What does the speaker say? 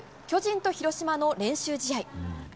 巨人と広島の練習試合。